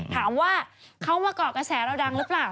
ถามว่าเขามาเกาะกระแสเราดังหรือเปล่า